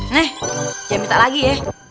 nih jangan minta lagi ya